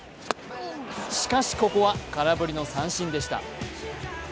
しかしここは空振りの三振でした。